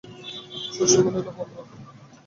শশী বলিল, বলব ওঁকে।